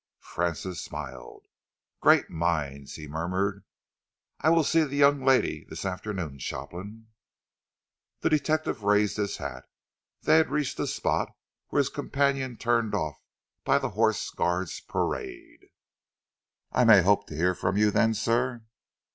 Francis smiled. "Great minds," he murmured. "I will see the young lady this afternoon, Shopland." The detective raised his hat. They had reached the spot where his companion turned off by the Horse Guards Parade. "I may hope to hear from you, then, sir?"